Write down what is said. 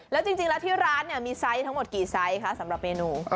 แล้วจริงแล้วที่ร้านเนี่ยมีไซส์ทั้งหมดกี่ไซส์คะสำหรับเมนู